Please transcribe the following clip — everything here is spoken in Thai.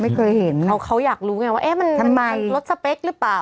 ไม่เคยเห็นเขาเขาอยากรู้ไงว่าเอ๊ะมันทำไมรถสเปคหรือเปล่า